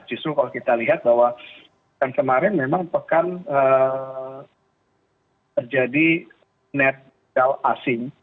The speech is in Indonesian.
justru kalau kita lihat bahwa kan kemarin memang pekan terjadi net doll asing